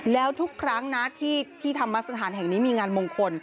แล้วทุกครั้งนะที่ธรรมสถานแห่งนี้มีงานมงคล